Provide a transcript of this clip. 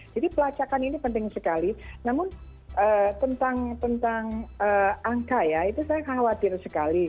jadi pelacakan ini penting sekali namun tentang angka ya itu saya khawatir sekali